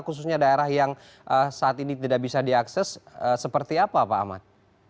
khususnya daerah yang saat ini tidak bisa diakses seperti apa pak ahmad